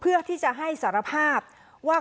เพื่อที่จะให้สารภาพว่า